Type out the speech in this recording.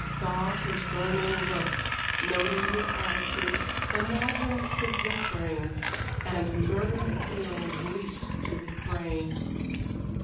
Saw his burning looks; noted his attitude; imagined his whisperings and murderous feelings leaped to his brain.